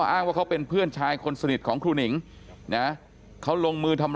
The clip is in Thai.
อ้างว่าเขาเป็นเพื่อนชายคนสนิทของครูหนิงนะเขาลงมือทำ